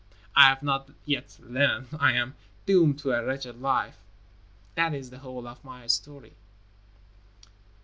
I have not yet learned. I am doomed to a wretched life. That is the whole of my history."